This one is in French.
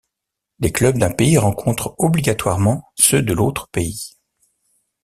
Les clubs d’un pays rencontrent obligatoirement ceux de l’autre pays.